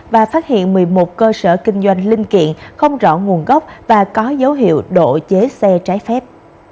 và phát hiện một mươi một cơ sở kinh doanh linh kiện không rõ nguồn gốc và có dấu hiệu độ chế xe trái phép